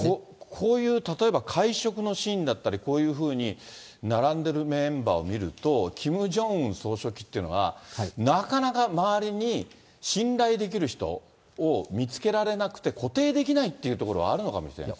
こういう例えば会食のシーンだったり、こういうふうに、並んでるメンバーを見ると、キム・ジョンウン総書記っていうのは、なかなか周りに信頼できる人を見つけられなくて、固定できないというところがあるのかもしれないですね。